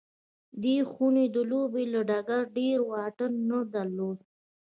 دې خونې د لوبې له ډګره ډېر واټن نه درلود